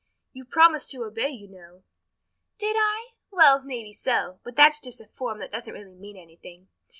"You promised to obey, you know." "Did I? Well, maybe so, but that's just a form that doesn't really mean anything.